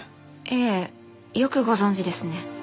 ええよくご存じですね。